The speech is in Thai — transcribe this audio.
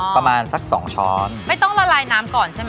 ประมาณสักสองช้อนไม่ต้องละลายน้ำก่อนใช่ไหม